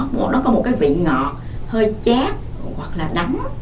nó có một cái vị ngọt hơi chét hoặc là đắng